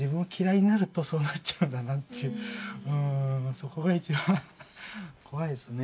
そこが一番怖いですね。